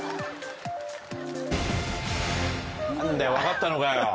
何だよ分かったのかよ。